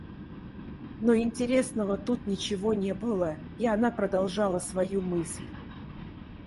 Но интересного тут ничего не было, и она продолжала свою мысль.